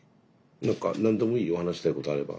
何か何でもいいよ話したいことあれば。